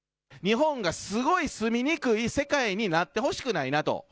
日本がすごい住みにくい世界になってほしくないなと。